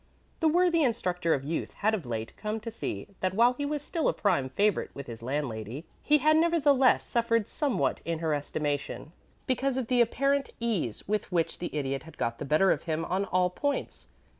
The worthy instructor of youth had of late come to see that while he was still a prime favorite with his landlady, he had, nevertheless, suffered somewhat in her estimation because of the apparent ease with which the Idiot had got the better of him on all points.